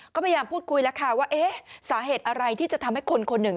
ก็พยายามพูดคุยแล้วค่ะว่าเอ๊ะสาเหตุอะไรที่จะทำให้คนคนหนึ่ง